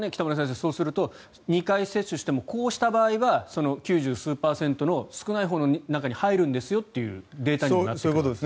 そうすると、２回接種してもこうした場合は９０数パーセントの少ないほうの中に入るんですよというデータになるんですか？